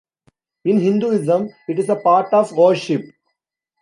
In Hinduism it is a part of worship.